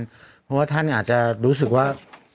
เพราะว่าท่านอาจจะรู้สึกว่า